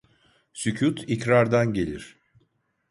Sükût ikrardan gelir.